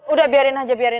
udah biarin aja